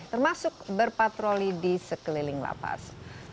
termasuk berpatroli di sekeliling lapas